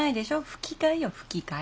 吹き替えよ吹き替え。